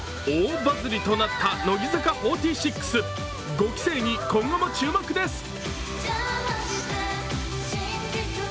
大バズりとなった乃木坂４６５期生に今後も注目です。